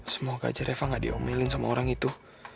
semoga aja reva gak diomelin sama orang itu